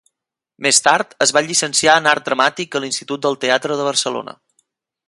Més tard, es va llicenciar en art dramàtic a l'Institut del Teatre de Barcelona.